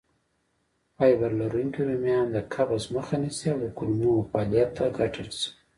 فایبر لرونکي رومیان د قبض مخه نیسي او د کولمو فعالیت ته ګټه رسوي.